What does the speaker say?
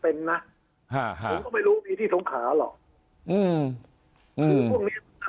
เหมือนก็ไม่รู้จะมีที่ถงขาหรอก